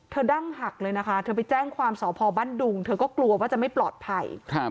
ดั้งหักเลยนะคะเธอไปแจ้งความสอบพอบ้านดุงเธอก็กลัวว่าจะไม่ปลอดภัย